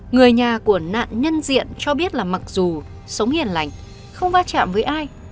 người nhà của nạn nhân diện cho biết là mặc dù sống hiền lành không va chạm với ai